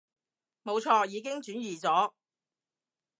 冇錯，已經轉移咗